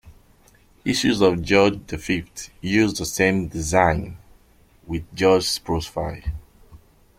Issues of George the Fifth used the same design with George's profile.